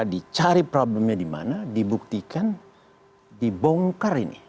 dicari problemnya dimana dibuktikan dibongkar ini